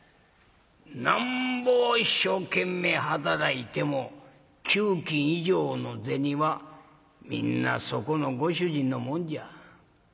なんぼ一生懸命働いても給金以上の銭はみんなそこのご主人のもんじゃ。